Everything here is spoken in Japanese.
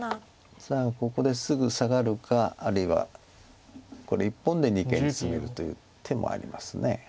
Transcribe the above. さあここですぐサガるかあるいはこれ１本で二間にツメるという手もあります。